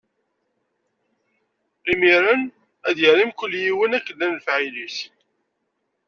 Imiren ad yerr i mkul yiwen akken i llan lefɛayel-is.